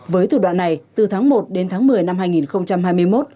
với thủ đoạn này từ tháng một đến tháng một mươi năm hai nghìn hai mươi một